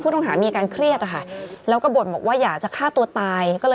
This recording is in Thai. พี่ทำไมไม่ให้ผมคุยก่อน